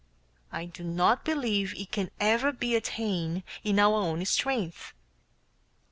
I do not believe it can ever be attained in our own strength.